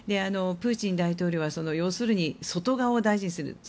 プーチン大統領は要するに、外側を大事にする。